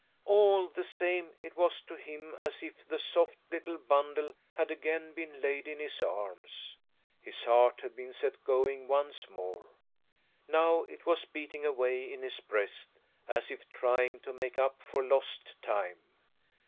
All the same it was to him as if the soft little bundle had again been laid in his arms. His heart had been set going once more. Now it was beating away in his breast as if trying to make up for lost time.